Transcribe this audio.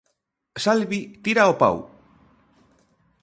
Salvi tira ao pau.